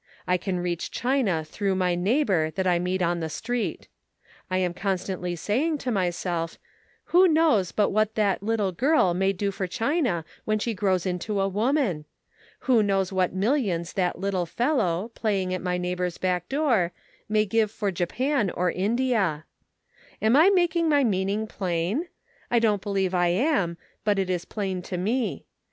I can reach China through my neighbor that I meet on the street. I am constantly saying to myself, ' Who knows what that little girl may do for China when she grows into a woman? Who knows what millions that little fellow, playing at my neighbor's back door may give for Japan or India ? Am I making my meaning plain ? I don't believe I am, but it is plain to me.